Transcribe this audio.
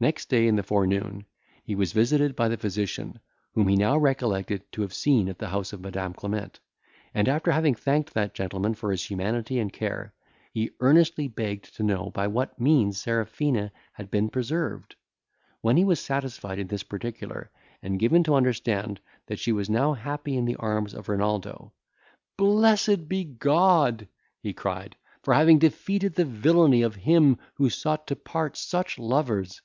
Next day, in the forenoon, he was visited by the physician, whom he now recollected to have seen at the house of Madam Clement; and, after having thanked that gentleman for his humanity and care, he earnestly begged to know by what means Serafina had been preserved. When he was satisfied in this particular, and given to understand that she was now happy in the arms of Renaldo, "Blessed be God!" he cried, "for having defeated the villany of him who sought to part such lovers.